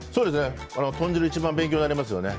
豚汁、いちばん勉強になりますよね。